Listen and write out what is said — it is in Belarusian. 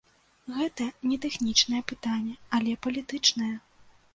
Гэта не тэхнічная пытанне, але палітычнае.